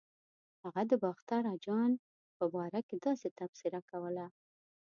هغه د باختر اجان په باره کې داسې تبصره کوله.